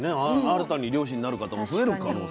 新たに漁師になる方も増える可能性も。